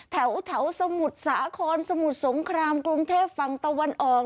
แถวสมุทรสาครสมุทรสงครามกรุงเทพฝั่งตะวันออก